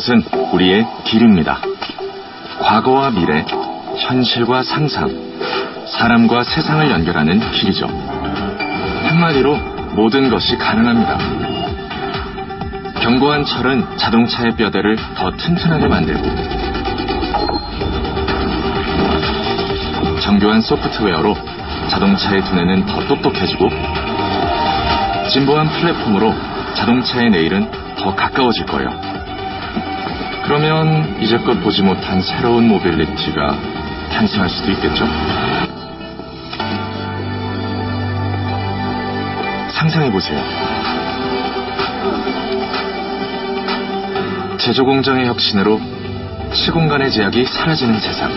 이곳은 우리의 길입니다. 과거와 미래, 현실과 상상, 사람과 세상을 연결하는 길이죠. 한마디로 모든 것이 가능합니다. 견고한 철은 자동차의 뼈대를 더 튼튼하게 만들고, 정교한 소프트웨어로 자동차의 두뇌는 더 똑똑해지고, 진보한 플랫폼으로 자동차의 내일은 더 가까워질 거예요. 그러면 이제껏 보지 못한 새로운 모빌리티가 탄생할 수도 있겠죠? 상상해 보세요. 제조 공장의 혁신으로 시공간의 제약이 사라지는 세상.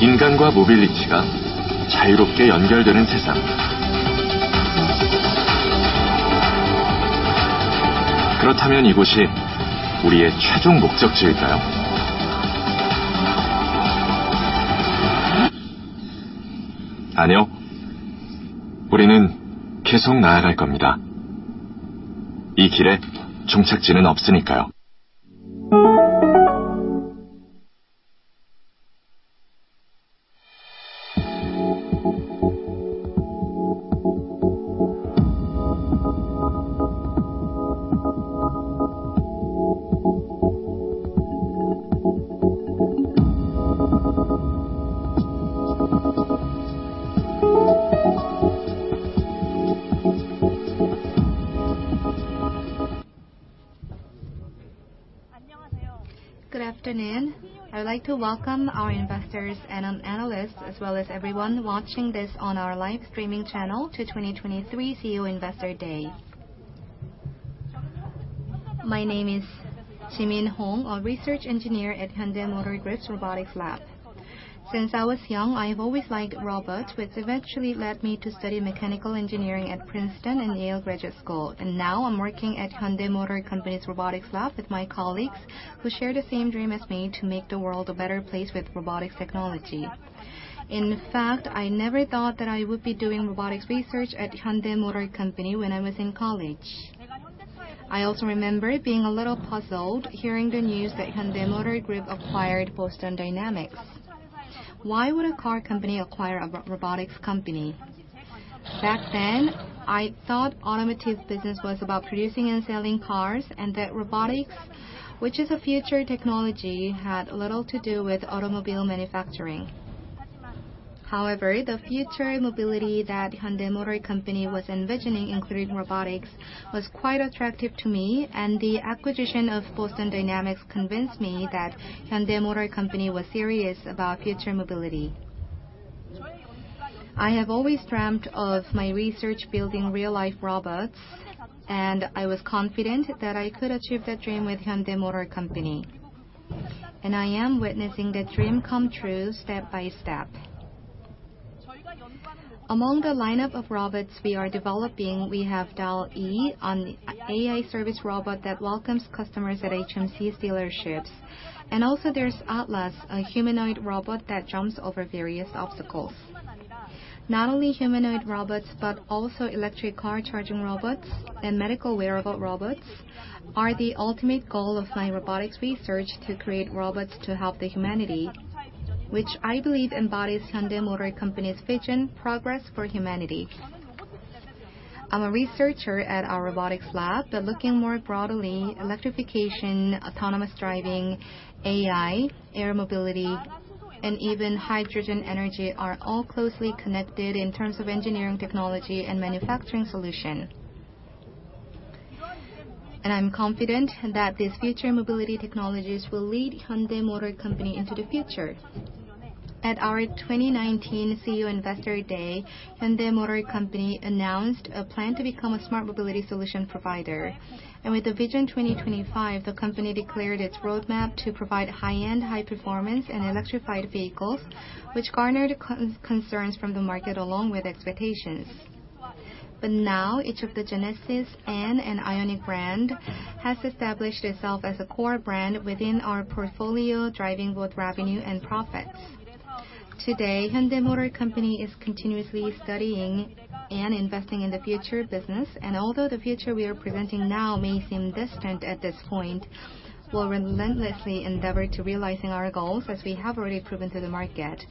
인간과 모빌리티가 자유롭게 연결되는 세상. 그렇다면 이곳이 우리의 최종 목적지일까요? 아니요, 우리는 계속 나아갈 겁니다. 이 길에 종착지는 없으니까요. Good afternoon! I'd like to welcome our investors and analysts, as well as everyone watching this on our live streaming channel to 2023 CEO Investor Day. My name is Jimin Hong, a research engineer at Hyundai Motor Group's Robotics Lab. Since I was young, I've always liked robot, which eventually led me to study mechanical engineering at Princeton and Yale Graduate School. Now I'm working at Hyundai Motor Company's Robotics Lab with my colleagues, who share the same dream as me to make the world a better place with robotics technology. In fact, I never thought that I would be doing robotics research at Hyundai Motor Company when I was in college. I also remember being a little puzzled hearing the news that Hyundai Motor Group acquired Boston Dynamics. Why would a car company acquire a robotics company? Back then, I thought automotive business was about producing and selling cars, and that robotics, which is a future technology, had little to do with automobile manufacturing. However, the future of mobility that Hyundai Motor Company was envisioning, including robotics, was quite attractive to me, and the acquisition of Boston Dynamics convinced me that Hyundai Motor Company was serious about future mobility. I have always dreamt of my research building real-life robots, and I was confident that I could achieve that dream with Hyundai Motor Company, and I am witnessing that dream come true step by step. Among the lineup of robots we are developing, we have DAL-e, an AI service robot that welcomes customers at HMC's dealerships. Also there's Atlas, a humanoid robot that jumps over various obstacles. Not only humanoid robots, but also electric car charging robots and medical wearable robots are the ultimate goal of my robotics research to create robots to help the humanity, which I believe embodies Hyundai Motor Company's vision, "Progress for Humanity." I'm a researcher at our Robotics Lab, but looking more broadly, electrification, autonomous driving, AI, air mobility, and even hydrogen energy are all closely connected in terms of engineering technology and manufacturing solution. I'm confident that these future mobility technologies will lead Hyundai Motor Company into the future. At our 2019 CEO Investor Day, Hyundai Motor Company announced a plan to become a smart mobility solution provider. With the Vision 2025, the company declared its roadmap to provide high-end, high-performance, and electrified vehicles, which garnered concerns from the market along with expectations. Now each of the Genesis and IONIQ brand has established itself as a core brand within our portfolio, driving both revenue and profits. Today, Hyundai Motor Company is continuously studying and investing in the future business, and although the future we are presenting now may seem distant at this point, we'll relentlessly endeavor to realizing our goals as we have already proven to the market.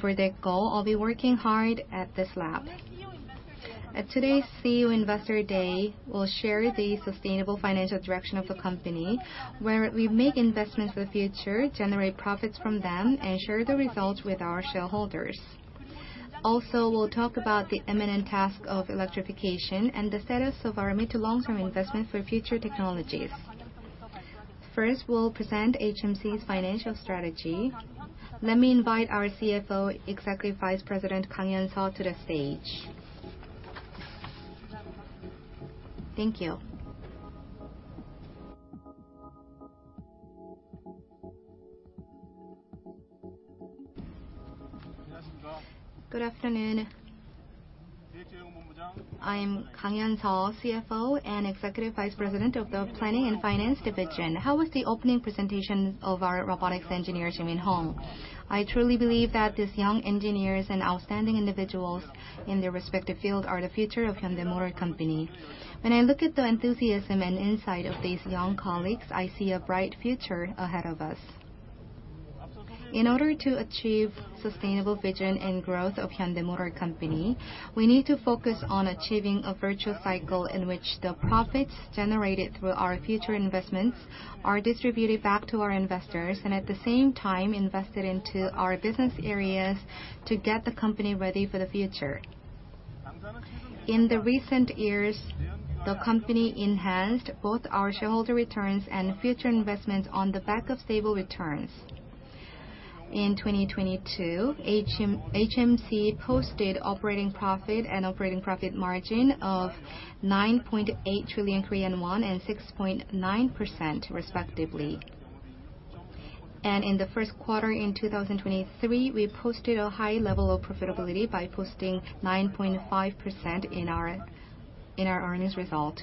For that goal, I'll be working hard at this lab. At today's CEO Investor Day, we'll share the sustainable financial direction of the company, where we make investments for the future, generate profits from them, and share the results with our shareholders. We'll talk about the imminent task of electrification and the status of our mid-to-long-term investment for future technologies. We'll present HMC's financial strategy. Let me invite our CFO, Executive Vice President, Kang-hyun Seo, to the stage. Thank you. Good afternoon. I am Kang-hyun Seo, CFO and Executive Vice President of the Planning and Finance Division. How was the opening presentation of our robotics engineer, Jimin Hong? I truly believe that these young engineers and outstanding individuals in their respective field are the future of Hyundai Motor Company. When I look at the enthusiasm and insight of these young colleagues, I see a bright future ahead of us. In order to achieve sustainable vision and growth of Hyundai Motor Company, we need to focus on achieving a virtuous cycle in which the profits generated through our future investments are distributed back to our investors, and at the same time, invested into our business areas to get the company ready for the future. In the recent years, the company enhanced both our shareholder returns and future investments on the back of stable returns. In 2022, HMC posted operating profit and operating profit margin of 9.8 trillion Korean won, and 6.9% respectively. In the first quarter in 2023, we posted a high level of profitability by posting 9.5% in our earnings result.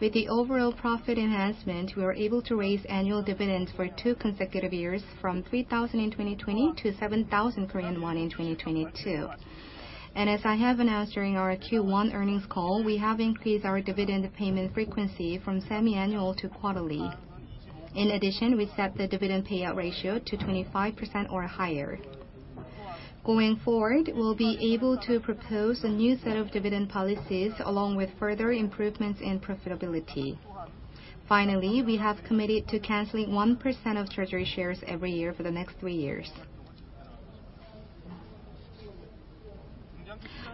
With the overall profit enhancement, we were able to raise annual dividends for two consecutive years from 3,000 in 2020 to 7,000 Korean won in 2022. As I have announced during our Q1 earnings call, we have increased our dividend payment frequency from semi-annual to quarterly. In addition, we set the dividend payout ratio to 25% or higher. Going forward, we'll be able to propose a new set of dividend policies along with further improvements in profitability. Finally, we have committed to canceling 1% of treasury shares every year for the next three years.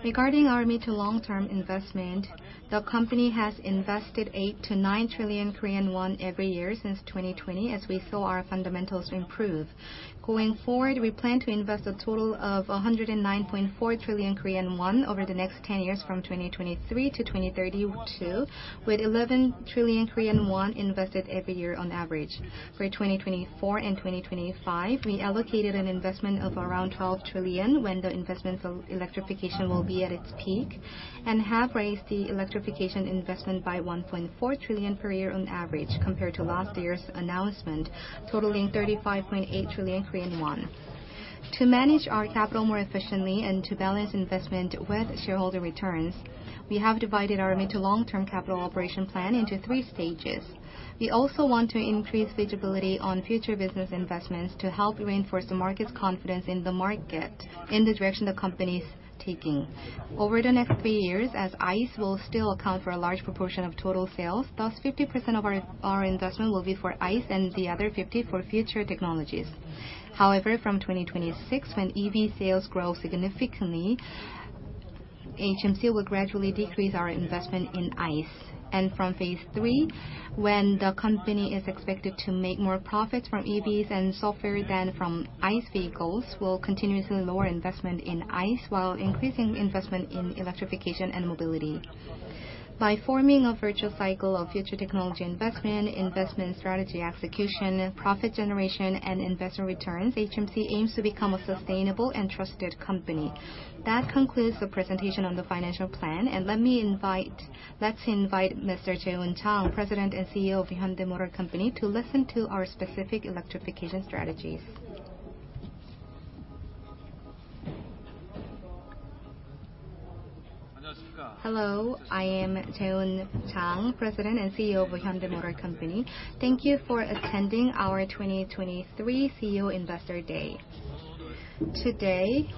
Regarding our mid to long-term investment, the company has invested 8 trillion-9 trillion Korean won every year since 2020, as we saw our fundamentals improve. Going forward, we plan to invest a total of 109.4 trillion Korean won over the next 10 years, from 2023-2032, with 11 trillion Korean won invested every year on average. For 2024 and 2025, we allocated an investment of around 12 trillion, when the investment for electrification will be at its peak, and have raised the electrification investment by 1.4 trillion per year on average, compared to last year's announcement, totaling 35.8 trillion Korean won. To manage our capital more efficiently and to balance investment with shareholder returns, we have divided our mid to long-term capital operation plan into three stages. We also want to increase visibility on future business investments to help reinforce the market's confidence in the direction the company is taking. Over the next three years, as ICE will still account for a large proportion of total sales, thus 50% of our investment will be for ICE and the other 50% for future technologies. However, from 2026, when EV sales grow significantly, HMC will gradually decrease our investment in ICE. From phase III, when the company is expected to make more profits from EVs and software than from ICE vehicles, we'll continuously lower investment in ICE, while increasing investment in electrification and mobility. By forming a virtual cycle of future technology investment strategy execution, profit generation, and investment returns, HMC aims to become a sustainable and trusted company. That concludes the presentation on the financial plan. Let's invite Mr. Jaehoon Chang, President and CEO of Hyundai Motor Company, to listen to our specific electrification strategies. Hello, I am Jaehoon Chang, President and CEO of Hyundai Motor Company. Thank you for attending our 2023 CEO Investor Day. Today,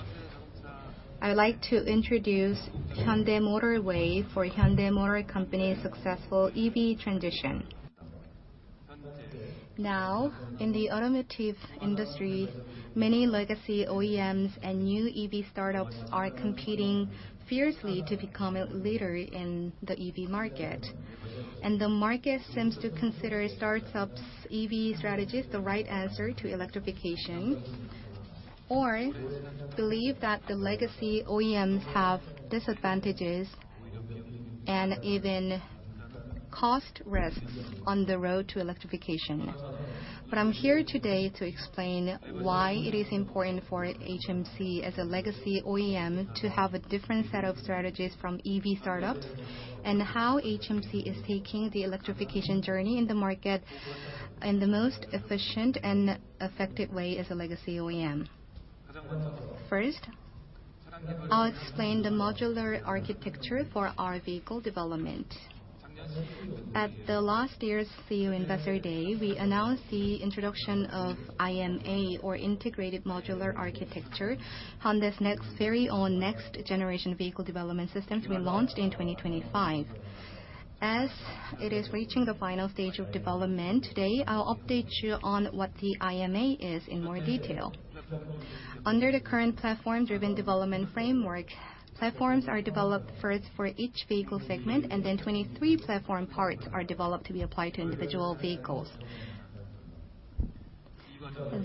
I'd like to introduce Hyundai Motor Way for Hyundai Motor Company's successful EV transition. Now, in the automotive industry, many legacy OEMs and new EV startups are competing fiercely to become a leader in the EV market. The market seems to consider startups' EV strategies the right answer to electrification, or believe that the legacy OEMs have disadvantages and even cost risks on the road to electrification. I'm here today to explain why it is important for HMC as a legacy OEM, to have a different set of strategies from EV startups, and how HMC is taking the electrification journey in the market in the most efficient and effective way as a legacy OEM. First, I'll explain the modular architecture for our vehicle development. At the last year's CEO Investor Day, we announced the introduction of IMA, or Integrated Modular Architecture, Hyundai's very own next-generation vehicle development systems we launched in 2025. As it is reaching the final stage of development, today, I'll update you on what the IMA is in more detail. Under the current platform-driven development framework, platforms are developed first for each vehicle segment, and then 23 platform parts are developed to be applied to individual vehicles.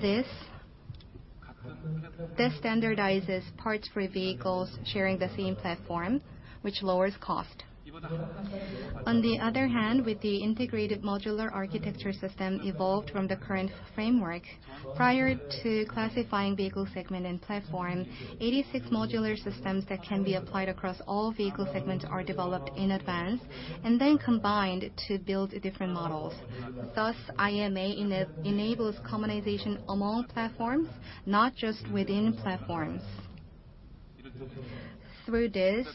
This standardizes parts for vehicles sharing the same platform, which lowers cost. On the other hand, with the integrated modular architecture system evolved from the current framework, prior to classifying vehicle segment and platform, 86 modular systems that can be applied across all vehicle segments are developed in advance, and then combined to build different models. Thus, IMA enables commonization among platforms, not just within platforms. Through this,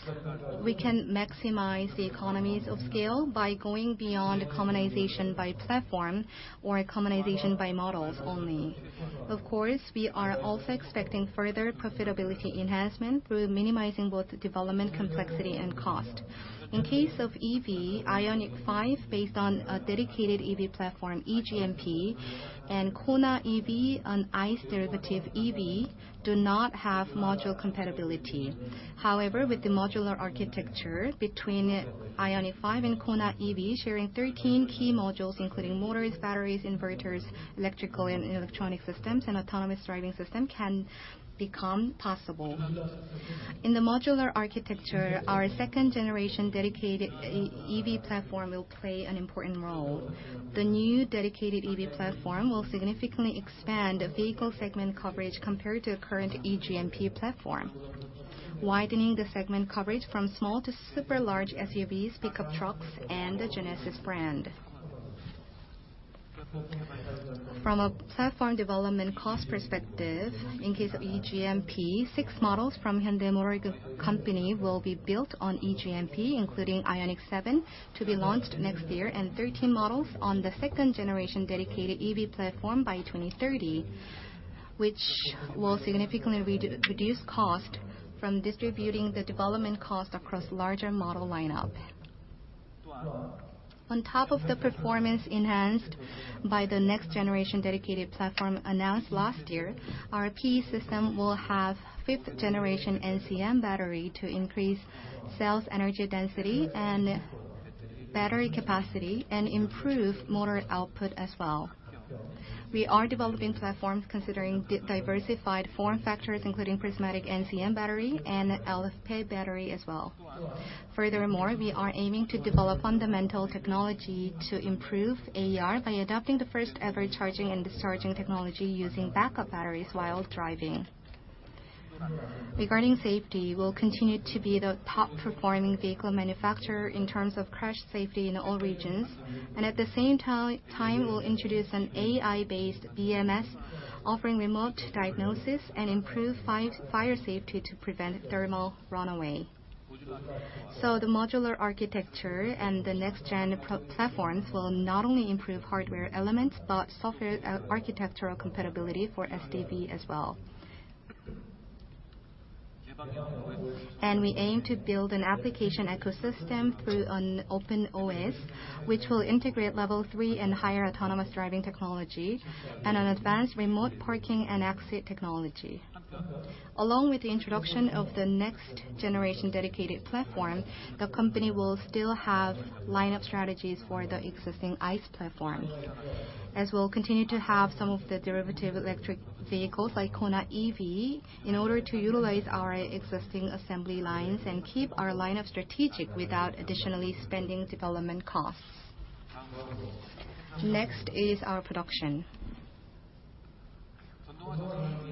we can maximize the economies of scale by going beyond commonization by platform or commonization by models only. Of course, we are also expecting further profitability enhancement through minimizing both development complexity and cost. In case of EV, IONIQ 5, based on a dedicated EV platform, E-GMP, and KONA EV on ICE derivative EV, do not have module compatibility. With the modular architecture between IONIQ 5 and KONA EV, sharing 13 key modules, including motors, batteries, inverters, electrical and electronic systems, and autonomous driving system, can become possible. In the modular architecture, our 2nd-generation dedicated EV platform will play an important role. The new dedicated EV platform will significantly expand the vehicle segment coverage compared to the current E-GMP platform, widening the segment coverage from small to super large SUVs, pickup trucks, and the Genesis brand. From a platform development cost perspective, in case of E-GMP, six models from Hyundai Motor Company will be built on E-GMP, including IONIQ 7, to be launched next year, and 13 models on the 2nd-generation dedicated EV platform by 2030, which will significantly reduce cost from distributing the development cost across larger model lineup. On top of the performance enhanced by the next-generation dedicated platform announced last year, our PE system will have 5th-generation NCM battery to increase cells energy density and battery capacity, and improve motor output as well. We are developing platforms considering diversified form factors, including prismatic NCM battery and LFP battery as well. We are aiming to develop fundamental technology to improve AER by adopting the first-ever charging and discharging technology using backup batteries while driving. Regarding safety, we'll continue to be the top-performing vehicle manufacturer in terms of crash safety in all regions, and at the same time, we'll introduce an AI-based VMS, offering remote diagnosis and improved fire safety to prevent thermal runaway. The modular architecture and the next gen platforms will not only improve hardware elements, but software architectural compatibility for SDV as well. We aim to build an application ecosystem through an open OS, which will integrate level three and higher autonomous driving technology, and an advanced remote parking and exit technology. Along with the introduction of the next-generation dedicated platform, the company will still have lineup strategies for the existing ICE platform, as we'll continue to have some of the derivative electric vehicles like KONA EV, in order to utilize our existing assembly lines and keep our lineup strategic without additionally spending development costs. Next is our production.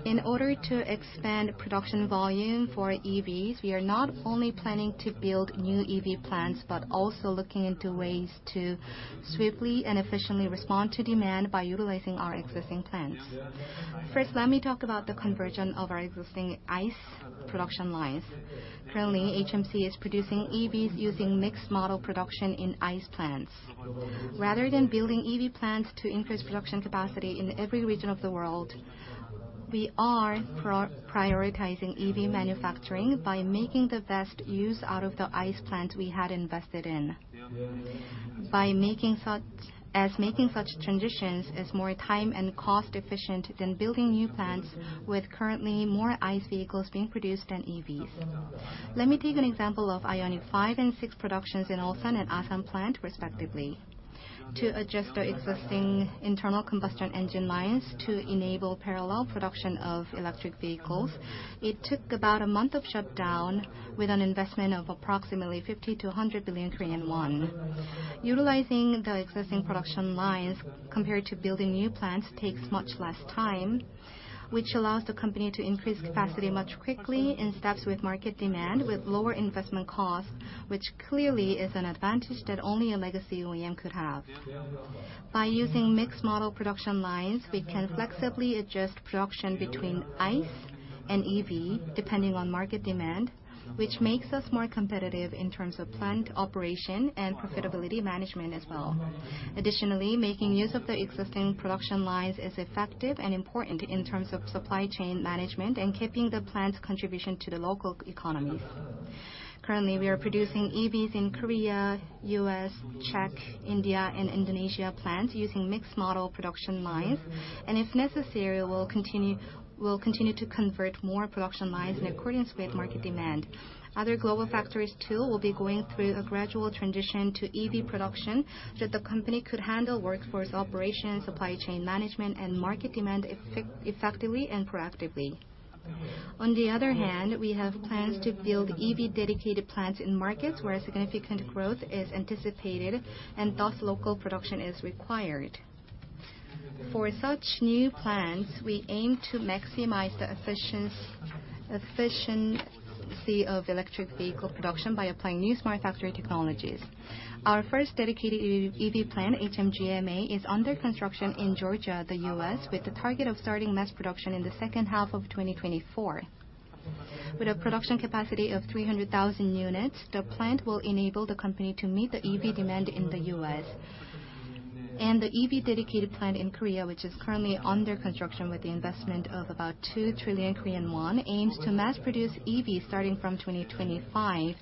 In order to expand production volume for EVs, we are not only planning to build new EV plants, but also looking into ways to swiftly and efficiently respond to demand by utilizing our existing plants. First, let me talk about the conversion of our existing ICE production lines. Currently, HMC is producing EVs using mixed model production in ICE plants. Rather than building EV plants to increase production capacity in every region of the world, we are prioritizing EV manufacturing by making the best use out of the ICE plant we had invested in. As making such transitions is more time and cost efficient than building new plants, with currently more ICE vehicles being produced than EVs. Let me take an example of IONIQ 5 and 6 productions in Ulsan and Asan plant, respectively. To adjust the existing internal combustion engine lines to enable parallel production of electric vehicles, it took about a month of shutdown with an investment of approximately 50 billion-100 billion Korean won. Utilizing the existing production lines compared to building new plants takes much less time, which allows the company to increase capacity much quickly in steps with market demand, with lower investment costs, which clearly is an advantage that only a legacy OEM could have. By using mixed model production lines, we can flexibly adjust production between ICE and EV, depending on market demand, which makes us more competitive in terms of plant operation and profitability management as well. Additionally, making use of the existing production lines is effective and important in terms of supply chain management and keeping the plant's contribution to the local economies. Currently, we are producing EVs in Korea, U.S., Czech, India, and Indonesia plants using mixed model production lines. If necessary, we'll continue to convert more production lines in accordance with market demand. Other global factories, too, will be going through a gradual transition to EV production. The company could handle workforce operation, supply chain management, and market demand effectively and proactively. On the other hand, we have plans to build EV-dedicated plants in markets where significant growth is anticipated, and thus local production is required. For such new plants, we aim to maximize the efficiency of electric vehicle production by applying new smart factory technologies. Our first dedicated EV plant, HMGMA, is under construction in Georgia, the U.S., with the target of starting mass production in the second half of 2024. With a production capacity of 300,000 units, the plant will enable the company to meet the EV demand in the U.S. The EV-dedicated plant in Korea, which is currently under construction with the investment of about 2 trillion Korean won, aims to mass-produce EVs starting from 2025.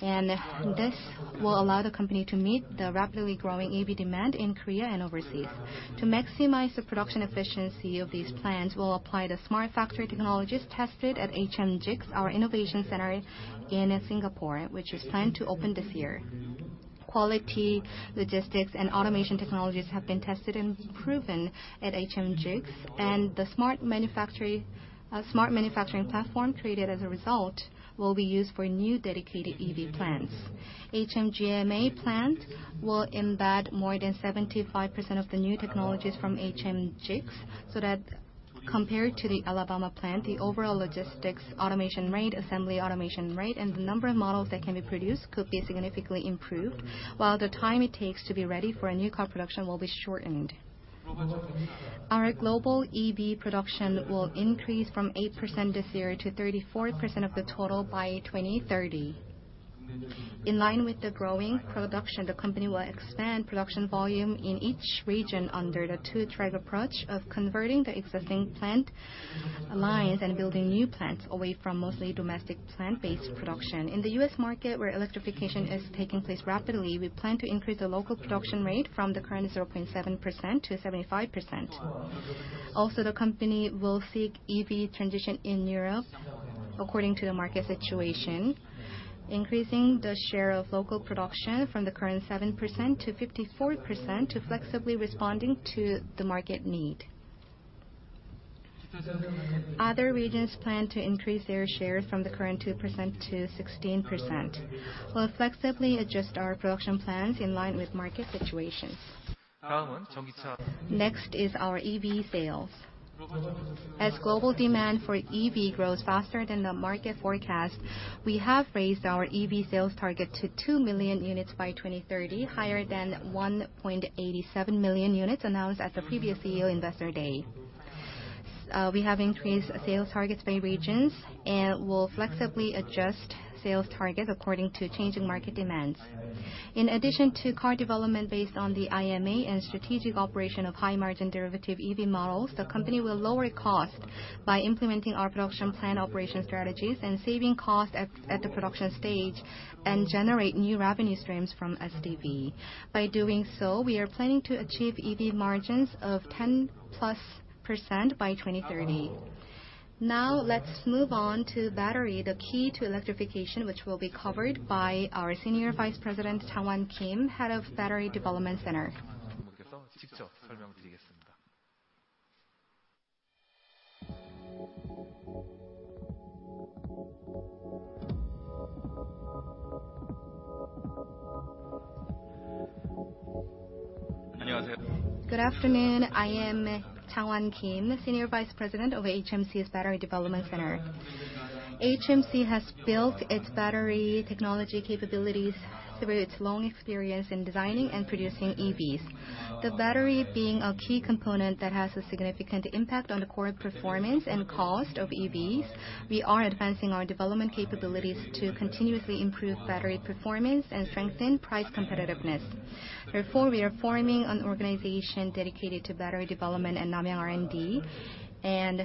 This will allow the company to meet the rapidly growing EV demand in Korea and overseas. To maximize the production efficiency of these plants, we'll apply the smart factory technologies tested at HMGICS, our innovation center in Singapore, which is planned to open this year. Quality, logistics, and automation technologies have been tested and proven at HMGICS, and the smart manufacturing platform created as a result will be used for new dedicated EV plants. HMGMA plant will embed more than 75% of the new technologies from HMGICS, so that compared to the Alabama plant, the overall logistics, automation rate, assembly automation rate, and the number of models that can be produced could be significantly improved, while the time it takes to be ready for a new car production will be shortened. Our global EV production will increase from 8% this year to 34% of the total by 2030. In line with the growing production, the company will expand production volume in each region under the two-track approach of converting the existing plant lines and building new plants away from mostly domestic plant-based production. In the U.S. market, where electrification is taking place rapidly, we plan to increase the local production rate from the current 0.7%-75%. The company will seek EV transition in Europe according to the market situation, increasing the share of local production from the current 7%-54%, to flexibly responding to the market need. Other regions plan to increase their share from the current 2%-16%. We'll flexibly adjust our production plans in line with market situations. Next is our EV sales. As global demand for EV grows faster than the market forecast, we have raised our EV sales target to 2 million units by 2030, higher than 1.87 million units announced at the previous CEO Investor Day. We have increased sales targets by regions, and we'll flexibly adjust sales targets according to changing market demands. In addition to car development based on the IMA and strategic operation of high-margin derivative EV models, the company will lower cost by implementing our production plan operation strategies and saving costs at the production stage, and generate new revenue streams from SDV. By doing so, we are planning to achieve EV margins of 10%+ by 2030. Let's move on to battery, the key to electrification, which will be covered by our Senior Vice President, Chang Hwan Kim, Head of Battery Development Center. Good afternoon. I am Chang Hwan Kim, Senior Vice President of HMC's Battery Development Center. HMC has built its battery technology capabilities through its long experience in designing and producing EVs. The battery being a key component that has a significant impact on the core performance and cost of EVs, we are advancing our development capabilities to continuously improve battery performance and strengthen price competitiveness. We are forming an organization dedicated to battery development and naming R&D,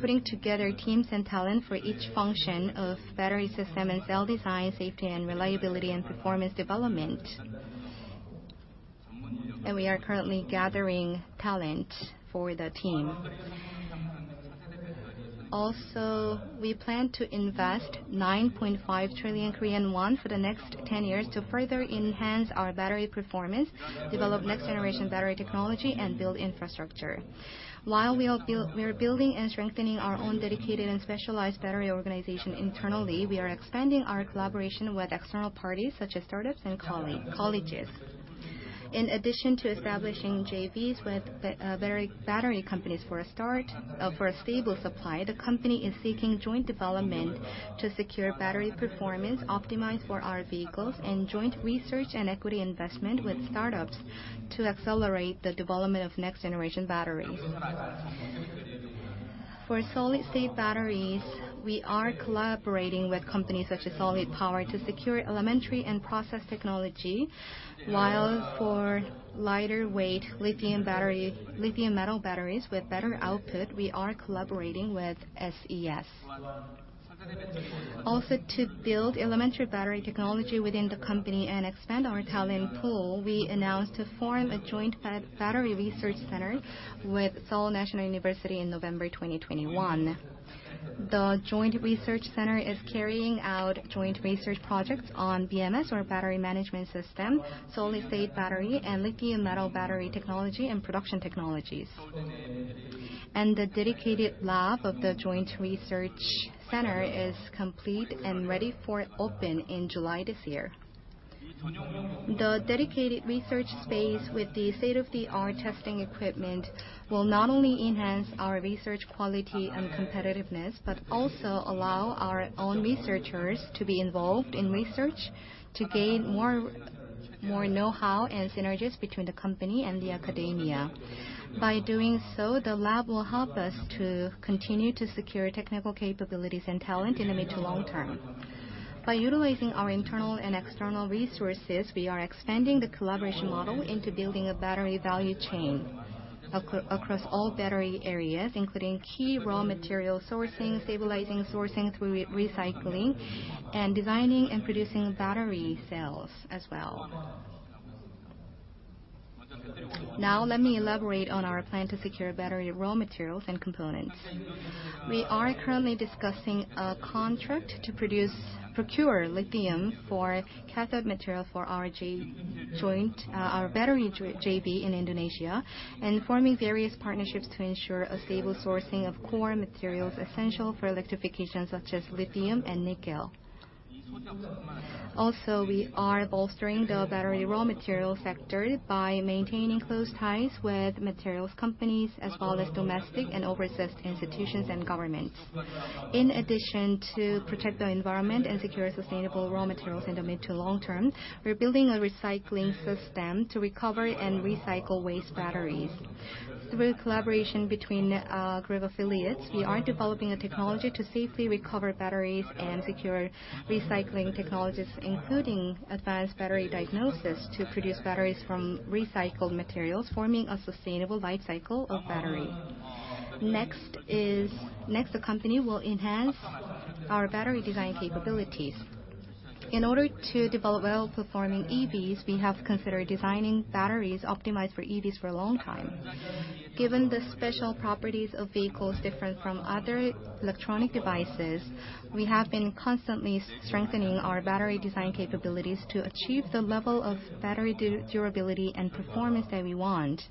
putting together teams and talent for each function of battery system and cell design, safety and reliability, and performance development. We are currently gathering talent for the team. We plan to invest 9.5 trillion Korean won for the next 10 years to further enhance our battery performance, develop next-generation battery technology, and build infrastructure. While we are building and strengthening our own dedicated and specialized battery organization internally, we are expanding our collaboration with external parties such as startups and colleges. In addition to establishing JVs with various battery companies for a start, for a stable supply, the company is seeking joint development to secure battery performance optimized for our vehicles, and joint research and equity investment with startups to accelerate the development of next-generation batteries. For solid-state batteries, we are collaborating with companies such as Solid Power, to secure elementary and process technology. While for lighter weight lithium battery, lithium-metal batteries with better output, we are collaborating with SES. Also, to build elementary battery technology within the company and expand our talent pool, we announced to form a joint battery research center with Seoul National University in November 2021. The joint research center is carrying out joint research projects on BMS, or Battery Management System, solid-state battery, and lithium metal battery technology, and production technologies. The dedicated lab of the joint research center is complete and ready for open in July this year. The dedicated research space with the state-of-the-art testing equipment will not only enhance our research quality and competitiveness, but also allow our own researchers to be involved in research to gain more know-how and synergies between the company and the academia. By doing so, the lab will help us to continue to secure technical capabilities and talent in the mid to long term. By utilizing our internal and external resources, we are expanding the collaboration model into building a battery value chain across all battery areas, including key raw material sourcing, stabilizing sourcing through recycling, and designing and producing battery cells as well. Let me elaborate on our plan to secure battery raw materials and components. We are currently discussing a contract to procure lithium for cathode material for our battery JV in Indonesia, forming various partnerships to ensure a stable sourcing of core materials essential for electrification, such as lithium and nickel. We are bolstering the battery raw material sector by maintaining close ties with materials companies, as well as domestic and overseas institutions and governments. In addition, to protect the environment and secure sustainable raw materials in the mid to long term, we're building a recycling system to recover and recycle waste batteries. Through collaboration between group affiliates, we are developing a technology to safely recover batteries and secure recycling technologies, including advanced battery diagnosis, to produce batteries from recycled materials, forming a sustainable life cycle of battery. Next, the company will enhance our battery design capabilities. In order to develop well-performing EVs, we have considered designing batteries optimized for EVs for a long time. Given the special properties of vehicles different from other electronic devices, we have been constantly strengthening our battery design capabilities to achieve the level of battery durability and performance that we want.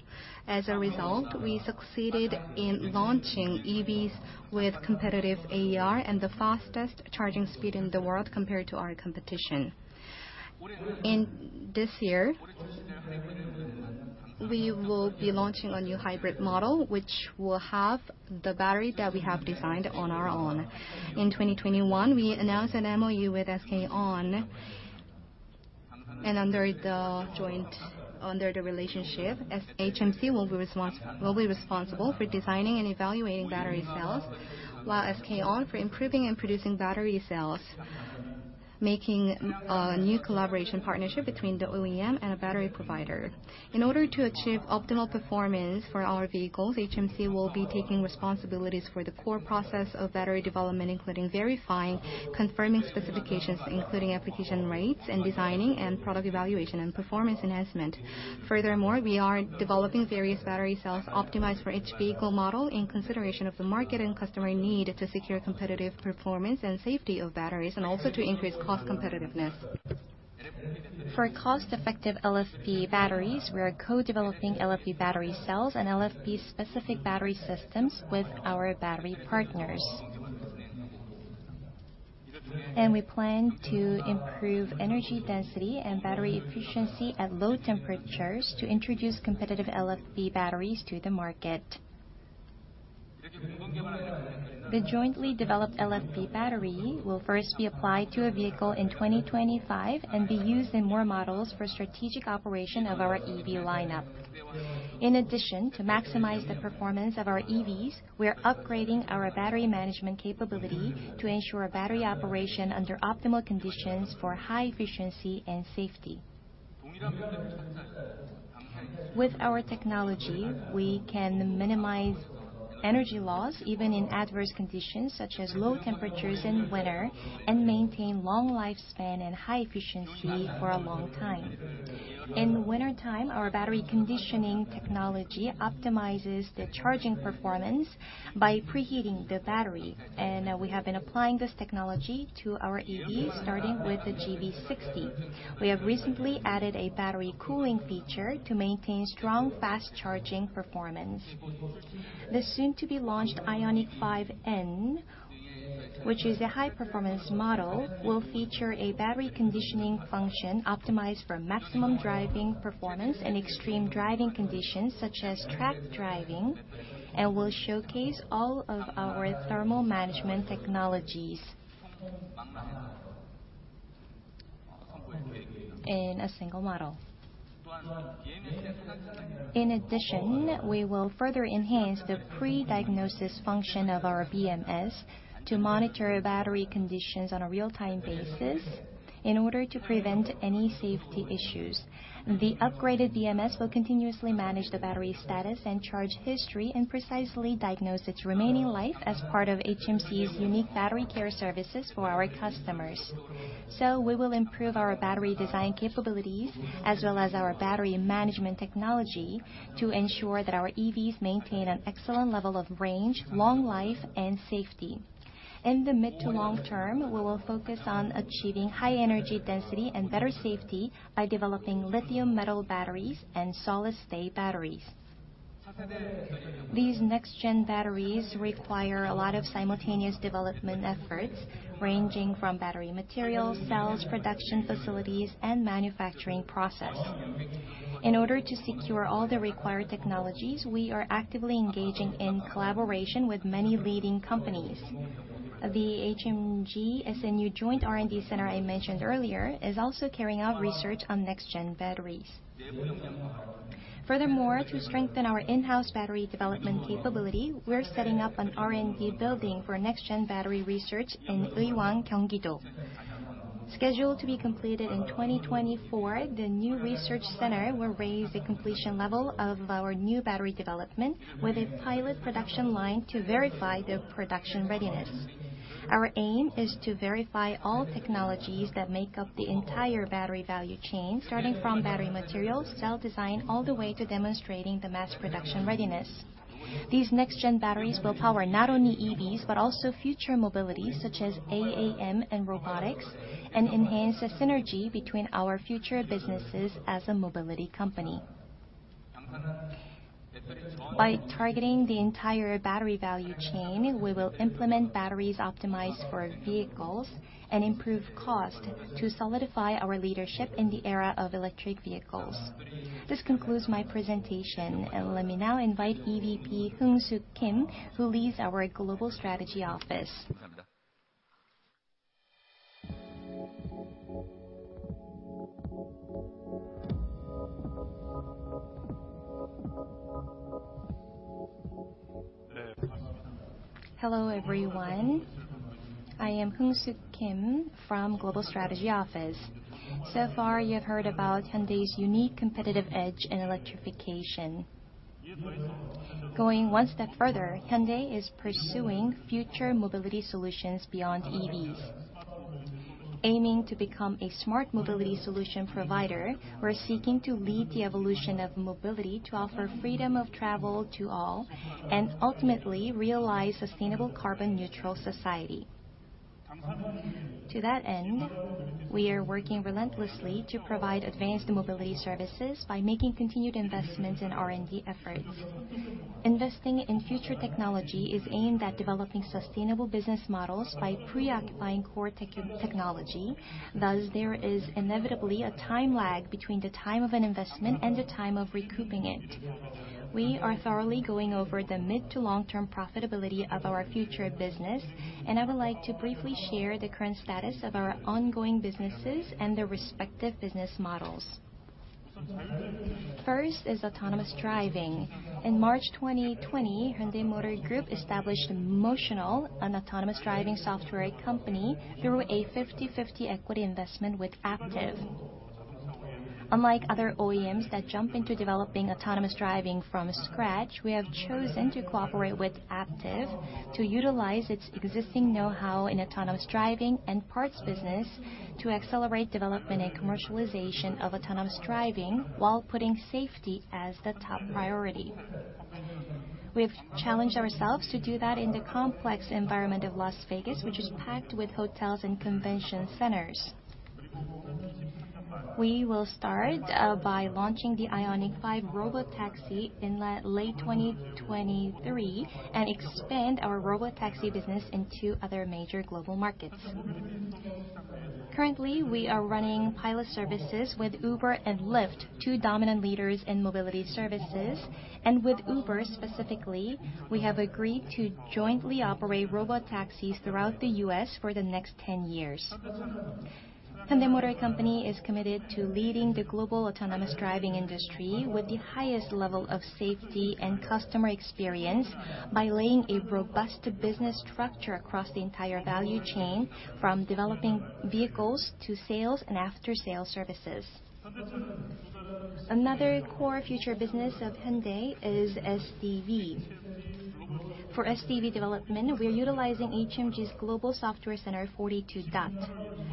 As a result, we succeeded in launching EVs with competitive AER and the fastest charging speed in the world compared to our competition. In this year, we will be launching a new hybrid model, which will have the battery that we have designed on our own. In 2021, we announced an MOU with SK On, and under the relationship, HMC will be responsible for designing and evaluating battery cells, while SK On for improving and producing battery cells, making a new collaboration partnership between the OEM and a battery provider. In order to achieve optimal performance for our vehicles, HMC will be taking responsibilities for the core process of battery development, including verifying, confirming specifications, including application rates and designing, and product evaluation and performance enhancement. We are developing various battery cells optimized for each vehicle model in consideration of the market and customer need to secure competitive performance and safety of batteries, and also to increase cost competitiveness. For cost-effective LFP batteries, we are co-developing LFP battery cells and LFP-specific battery systems with our battery partners. We plan to improve energy density and battery efficiency at low temperatures to introduce competitive LFP batteries to the market. The jointly developed LFP battery will first be applied to a vehicle in 2025, and be used in more models for strategic operation of our EV lineup. In addition, to maximize the performance of our EVs, we are upgrading our battery management capability to ensure battery operation under optimal conditions for high efficiency and safety. With our technology, we can minimize... energy loss, even in adverse conditions, such as low temperatures in winter, and maintain long lifespan and high efficiency for a long time. In wintertime, our battery conditioning technology optimizes the charging performance by preheating the battery, and we have been applying this technology to our EVs, starting with the GV60. We have recently added a battery cooling feature to maintain strong, fast-charging performance. The soon-to-be-launched IONIQ 5 N, which is a high-performance model, will feature a battery conditioning function optimized for maximum driving performance and extreme driving conditions, such as track driving, and will showcase all of our thermal management technologies in a single model. In addition, we will further enhance the pre-diagnosis function of our BMS to monitor battery conditions on a real-time basis in order to prevent any safety issues. The upgraded BMS will continuously manage the battery status and charge history, and precisely diagnose its remaining life as part of HMC's unique battery care services for our customers. We will improve our battery design capabilities, as well as our battery management technology, to ensure that our EVs maintain an excellent level of range, long life, and safety. In the mid to long term, we will focus on achieving high energy density and better safety by developing lithium metal batteries and solid-state batteries. These next-gen batteries require a lot of simultaneous development efforts, ranging from battery materials, cells, production facilities, and manufacturing process. In order to secure all the required technologies, we are actively engaging in collaboration with many leading companies. The HMG SNU joint R&D center I mentioned earlier, is also carrying out research on next-gen batteries. Furthermore, to strengthen our in-house battery development capability, we're setting up an R&D building for next-gen battery research in Uiwang, Gyeonggi-do. Scheduled to be completed in 2024, the new research center will raise the completion level of our new battery development with a pilot production line to verify the production readiness. Our aim is to verify all technologies that make up the entire battery value chain, starting from battery materials, cell design, all the way to demonstrating the mass production readiness. These next-gen batteries will power not only EVs, but also future mobility, such as AAM and robotics, and enhance the synergy between our future businesses as a mobility company. By targeting the entire battery value chain, we will implement batteries optimized for vehicles and improve cost to solidify our leadership in the era of electric vehicles. This concludes my presentation, and let me now invite EVP Heung-soo Kim, who leads our Global Strategy Office. Hello, everyone. I am Heung-soo Kim from Global Strategy Office. So far, you have heard about Hyundai's unique competitive edge in electrification. Going one step further, Hyundai is pursuing future mobility solutions beyond EVs. Aiming to become a smart mobility solution provider, we're seeking to lead the evolution of mobility to offer freedom of travel to all, and ultimately realize sustainable carbon neutral society. To that end, we are working relentlessly to provide advanced mobility services by making continued investments in R&D efforts. Investing in future technology is aimed at developing sustainable business models by pre-occupying core technology. Thus, there is inevitably a time lag between the time of an investment and the time of recouping it. We are thoroughly going over the mid to long-term profitability of our future business. I would like to briefly share the current status of our ongoing businesses and their respective business models. First is autonomous driving. In March 2020, Hyundai Motor Group established Motional, an autonomous driving software company, through a 50/50 equity investment with Aptiv. Unlike other OEMs that jump into developing autonomous driving from scratch, we have chosen to cooperate with Aptiv to utilize its existing know-how in autonomous driving and parts business to accelerate development and commercialization of autonomous driving, while putting safety as the top priority. We've challenged ourselves to do that in the complex environment of Las Vegas, which is packed with hotels and convention centers. We will start by launching the IONIQ 5 robot taxi in late 2023, and expand our robot taxi business in two other major global markets. Currently, we are running pilot services with Uber and Lyft, two dominant leaders in mobility services, and with Uber specifically, we have agreed to jointly operate robot taxis throughout the U.S. for the next 10 years. Hyundai Motor Company is committed to leading the global autonomous driving industry with the highest level of safety and customer experience, by laying a robust business structure across the entire value chain, from developing vehicles to sales and after-sales services. Another core future business of Hyundai is SDV. For SDV development, we are utilizing HMG's Global Software Center, 42dot.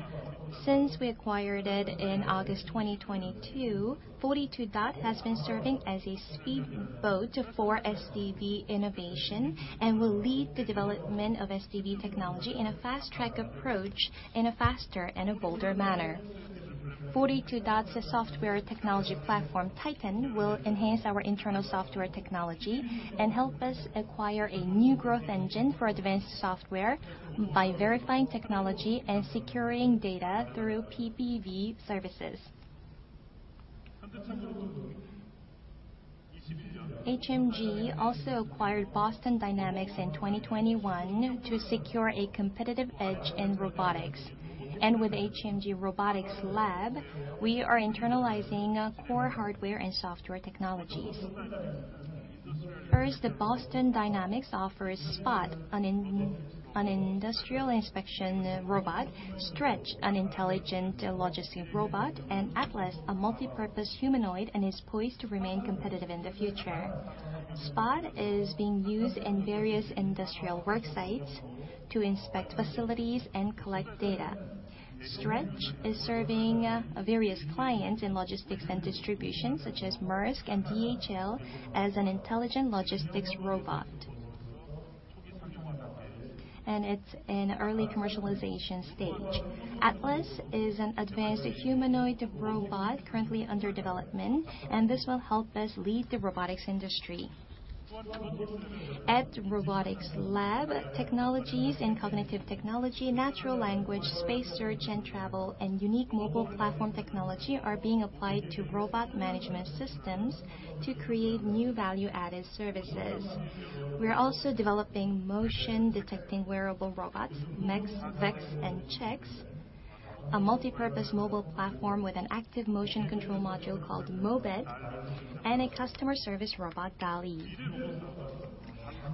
Since we acquired it in August 2022, 42dot has been serving as a speedboat for SDV innovation, and will lead the development of SDV technology in a fast-track approach, in a faster and a bolder manner. 42dot's software technology platform, Titan, will enhance our internal software technology and help us acquire a new growth engine for advanced software by verifying technology and securing data through PBV services. HMG also acquired Boston Dynamics in 2021 to secure a competitive edge in robotics. With HMG Robotics LAB, we are internalizing core hardware and software technologies. First, Boston Dynamics offers Spot, an industrial inspection robot, Stretch, an intelligent logistics robot, and Atlas, a multipurpose humanoid, and is poised to remain competitive in the future. Spot is being used in various industrial work sites to inspect facilities and collect data. Stretch is serving various clients in logistics and distribution, such as Maersk and DHL, as an intelligent logistics robot. It's in early commercialization stage. Atlas is an advanced humanoid robot, currently under development, and this will help us lead the robotics industry. At Robotics LAB, technologies in cognitive technology, natural language, space search and travel, and unique mobile platform technology, are being applied to robot management systems to create new value-added services. We are also developing motion-detecting wearable robots, MEX, VEX, and CEX, a multipurpose mobile platform with an active motion control module called MobED, and a customer service robot, DAL-e.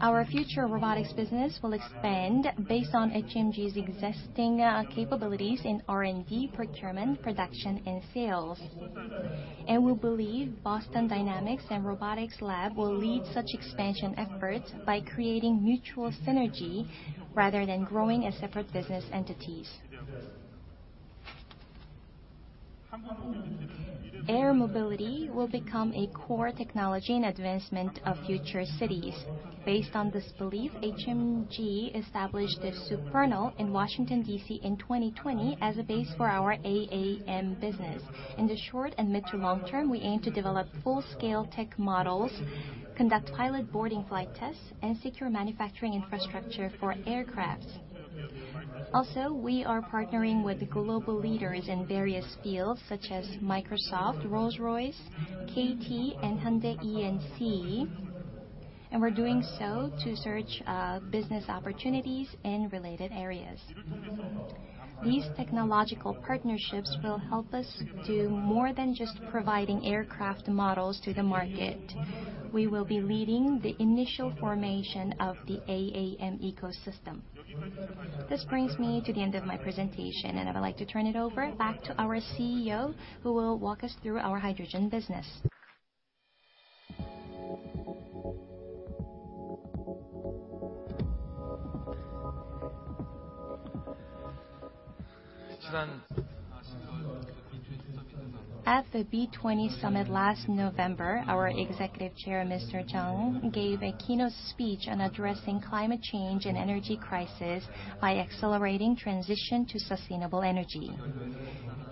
Our future robotics business will expand based on HMG's existing capabilities in R&D, procurement, production, and sales. We believe Boston Dynamics and Robotics LAB will lead such expansion efforts by creating mutual synergy, rather than growing as separate business entities. Air mobility will become a core technology in advancement of future cities. Based on this belief, HMG established the Supernal in Washington, D.C., in 2020, as a base for our AAM business. In the short and mid to long term, we aim to develop full-scale tech models, conduct pilot boarding flight tests, and secure manufacturing infrastructure for aircraft. We are partnering with global leaders in various fields such as Microsoft, Rolls-Royce, KT, and Hyundai E&C, and we're doing so to search business opportunities in related areas. These technological partnerships will help us do more than just providing aircraft models to the market. We will be leading the initial formation of the AAM ecosystem. This brings me to the end of my presentation. I would like to turn it over back to our CEO, who will walk us through our hydrogen business. At the B20 Summit last November, our executive chair, Mr. Chung, gave a keynote speech on addressing climate change and energy crisis by accelerating transition to sustainable energy.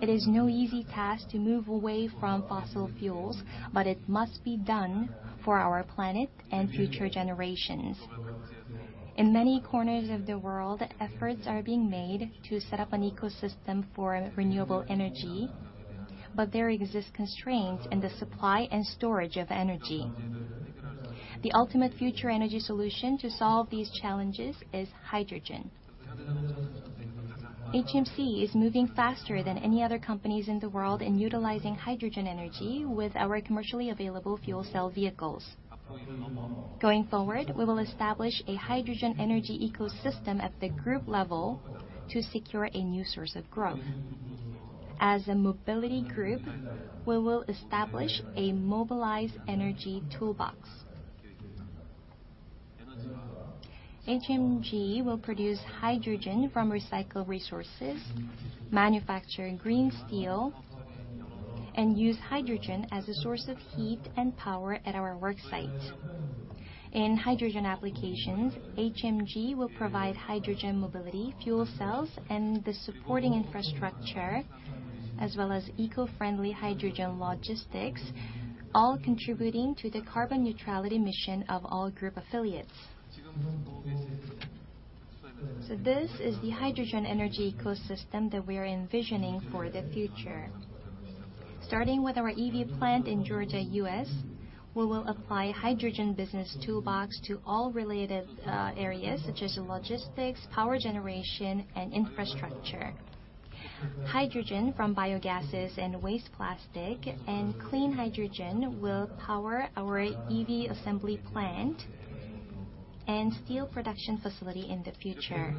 It is no easy task to move away from fossil fuels, but it must be done for our planet and future generations. In many corners of the world, efforts are being made to set up an ecosystem for renewable energy, but there exist constraints in the supply and storage of energy. The ultimate future energy solution to solve these challenges is hydrogen. HMC is moving faster than any other companies in the world in utilizing hydrogen energy with our commercially available fuel cell vehicles. Going forward, we will establish a hydrogen energy ecosystem at the group level to secure a new source of growth. As a mobility group, we will establish a mobilized energy toolbox. HMG will produce hydrogen from recycled resources, manufacture green steel, and use hydrogen as a source of heat and power at our work site. In hydrogen applications, HMG will provide hydrogen mobility, fuel cells, and the supporting infrastructure, as well as eco-friendly hydrogen logistics, all contributing to the carbon neutrality mission of all group affiliates. This is the hydrogen energy ecosystem that we are envisioning for the future. Starting with our EV plant in Georgia, US, we will apply hydrogen business toolbox to all related areas, such as logistics, power generation, and infrastructure. Hydrogen from biogases and waste plastic and clean hydrogen will power our EV assembly plant and steel production facility in the future.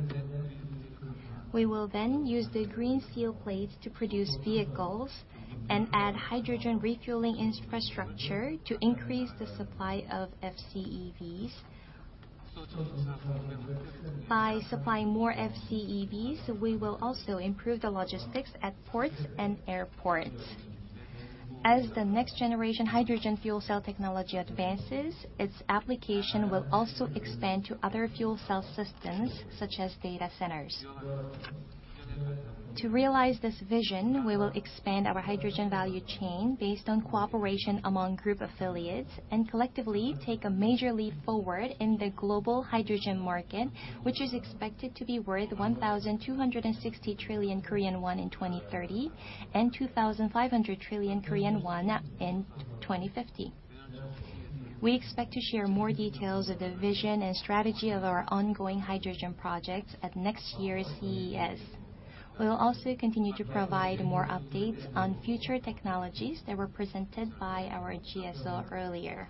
We will use the green steel plates to produce vehicles and add hydrogen refueling infrastructure to increase the supply of FCEVs. By supplying more FCEVs, we will also improve the logistics at ports and airports. As the next generation hydrogen fuel cell technology advances, its application will also expand to other fuel cell systems, such as data centers. To realize this vision, we will expand our hydrogen value chain based on cooperation among group affiliates, and collectively take a major leap forward in the global hydrogen market, which is expected to be worth 1,260 trillion Korean won in 2030, and 2,500 trillion Korean won in 2050. We expect to share more details of the vision and strategy of our ongoing hydrogen projects at next year's CES. We'll also continue to provide more updates on future technologies that were presented by our GSO earlier.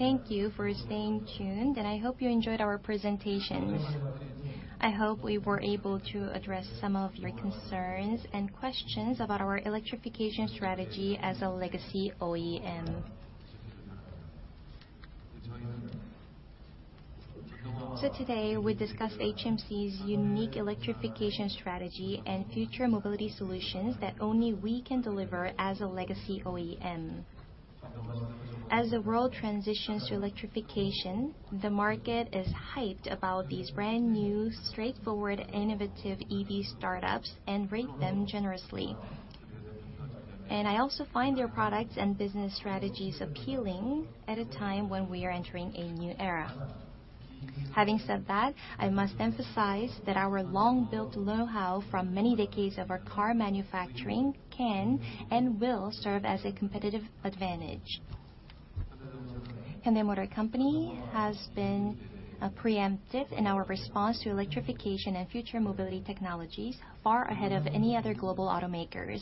Thank you for staying tuned, and I hope you enjoyed our presentations. I hope we were able to address some of your concerns and questions about our electrification strategy as a legacy OEM. Today, we discussed HMC's unique electrification strategy and future mobility solutions that only we can deliver as a legacy OEM. As the world transitions to electrification, the market is hyped about these brand new, straightforward, innovative EV startups and rate them generously. I also find their products and business strategies appealing at a time when we are entering a new era. Having said that, I must emphasize that our long-built know-how from many decades of our car manufacturing can and will serve as a competitive advantage. Hyundai Motor Company has been preemptive in our response to electrification and future mobility technologies, far ahead of any other global automakers.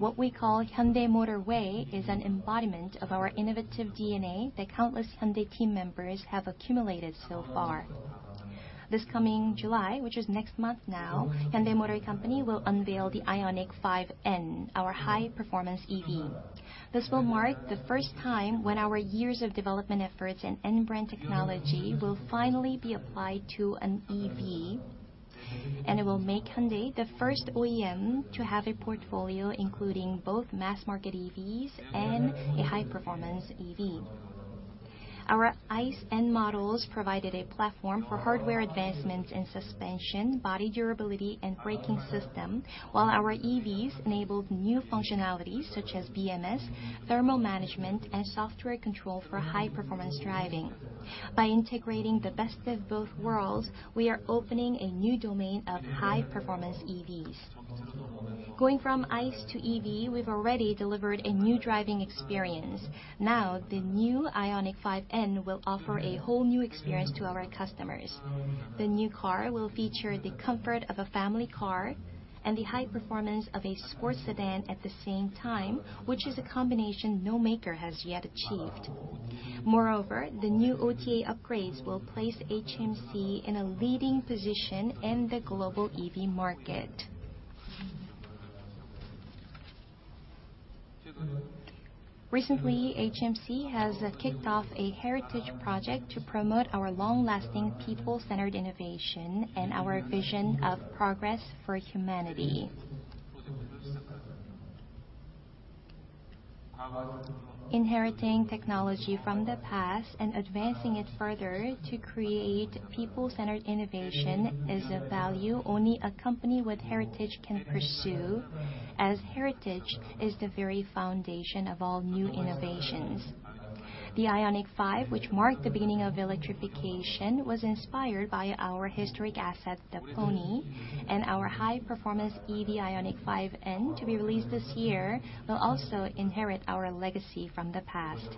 What we call Hyundai Motor Way is an embodiment of our innovative DNA that countless Hyundai team members have accumulated so far. This coming July, which is next month now, Hyundai Motor Company will unveil the IONIQ 5 N, our high-performance EV. This will mark the first time when our years of development efforts and N brand technology will finally be applied to an EV, and it will make Hyundai the first OEM to have a portfolio, including both mass market EVs and a high-performance EV. Our ICE N models provided a platform for hardware advancements and suspension, body durability, and braking system, while our EVs enabled new functionalities such as BMS, thermal management, and software control for high-performance driving. By integrating the best of both worlds, we are opening a new domain of high-performance EVs. Going from ICE to EV, we've already delivered a new driving experience. Now, the new IONIQ 5 N will offer a whole new experience to our customers. The new car will feature the comfort of a family car and the high performance of a sports sedan at the same time, which is a combination no maker has yet achieved. Moreover, the new OTA upgrades will place HMC in a leading position in the global EV market. Recently, HMC has kicked off a heritage project to promote our long-lasting, people-centered innovation and our vision of progress for humanity. Inheriting technology from the past and advancing it further to create people-centered innovation is a value only a company with heritage can pursue, as heritage is the very foundation of all new innovations. The IONIQ 5, which marked the beginning of electrification, was inspired by our historic asset, the Pony, and our high-performance EV, IONIQ 5 N, to be released this year, will also inherit our legacy from the past.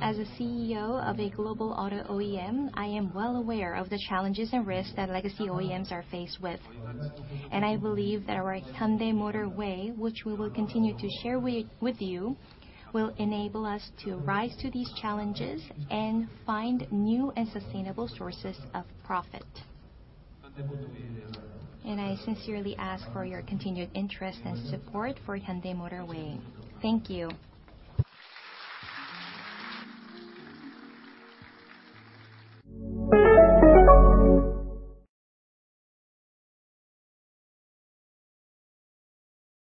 As a CEO of a global auto OEM, I am well aware of the challenges and risks that legacy OEMs are faced with, and I believe that our Hyundai Motor Way, which we will continue to share with you, will enable us to rise to these challenges and find new and sustainable sources of profit. I sincerely ask for your continued interest and support for Hyundai Motor Way. Thank you.